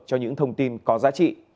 cho những thông tin có giá trị